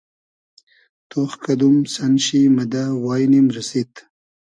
تۉخ کئدوم سئن شی مۂ دۂ واݷنیم رئسید